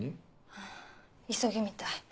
うん急ぎみたい。